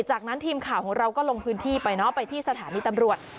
จากนั้นทีมข่าวของเราก็ลงพื้นที่ไปเนาะไปที่สถานีตำรวจ